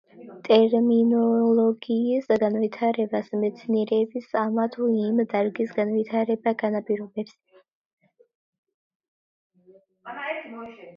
ტერმინოლოგიის განვითარებას მეცნიერების ამა თუ იმ დარგის განვითარება განაპირობებს.